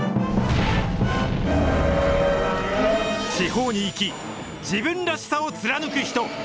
地方に生き、自分らしさを貫く人。